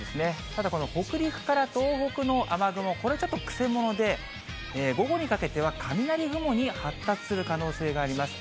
ただ北陸から東北の雨雲、これ、ちょっとくせもので、午後にかけては雷雲に発達する可能性があります。